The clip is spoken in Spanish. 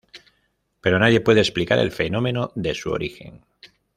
Pero nadie puede explicar el fenómeno de su origen.